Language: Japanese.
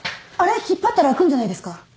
あれ引っ張ったら開くんじゃないですか？